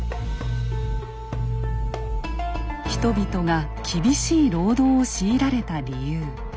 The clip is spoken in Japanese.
人々が厳しい労働を強いられた理由。